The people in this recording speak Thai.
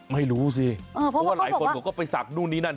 ไม่รู้สิเพราะว่าหลายคนก็ไปสักนู่นนี่นั่น